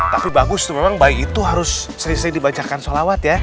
tapi bagus tuh memang bayi itu harus seri seri dibacakan salawat ya